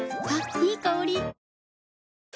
いい香り。